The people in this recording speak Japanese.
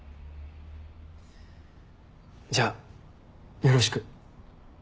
じゃあよろしく。